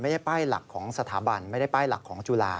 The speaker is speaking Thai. ไม่ได้ป้ายหลักของสถาบันไม่ได้ป้ายหลักของจุฬา